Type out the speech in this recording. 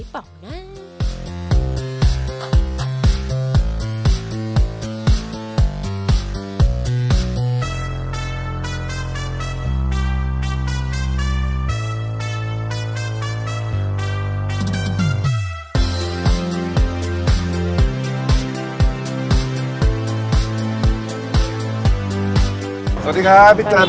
ประกาศรายชื่อพศ๒๕๖๑